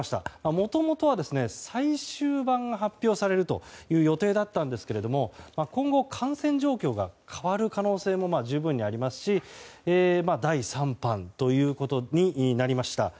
もともとは最終版が発表されるという予定だったんですけれども今後、感染状況が変わる可能性も十分にありますし第３版ということになりました。